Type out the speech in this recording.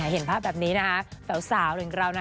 เห็นภาพแบบนี้นะคะสาวอย่างเรา